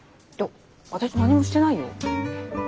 私何もしてないよ。